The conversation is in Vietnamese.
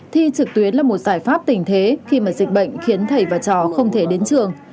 thi trực tuyến là một giải pháp tình thế khi mà dịch bệnh khiến thầy và trò không thể đến trường